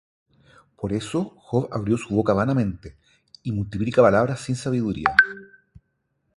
Por eso Job abrió su boca vanamente, Y multiplica palabras sin sabiduría.